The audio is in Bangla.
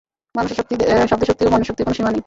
মানুষের শক্তি, শব্দের শক্তি ও মনের শক্তির কোন সীমা নাই।